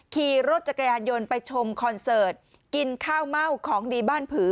ขี่รถจักรยานยนต์ไปชมคอนเสิร์ตกินข้าวเม่าของดีบ้านผือ